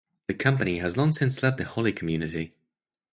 The company has long since left the Holly community.